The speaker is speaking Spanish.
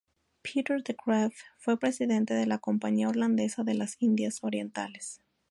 Pieter de Graeff fue presidente de la Compañía Holandesa de las Indias Orientales.